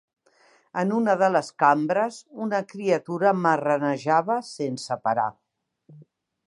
En una de les cambres, una criatura marranejava sense parar